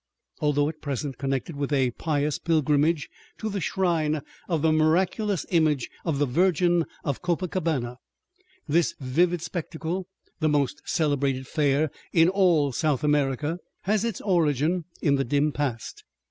Although at present connected with a pious pilgrimage to the shrine of the miraculous image of the "Virgin of Copacabana," this vivid spectacle, the most celebrated fair in all South America, has its origin in the dim past.